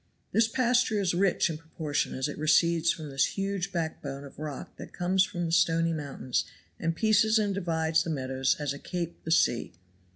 This pasture is rich in proportion as it recedes from this huge backbone of rock that comes from the stony mountains and pierces and divides the meadows as a cape the sea.